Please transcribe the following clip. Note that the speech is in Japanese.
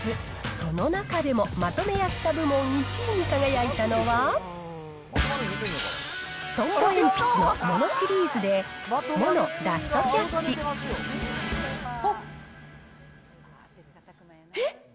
その中でも、まとめやすさ部門１位に輝いたのは、トンボ鉛筆のＭＯＮＯシリーズで、あっ、えっ？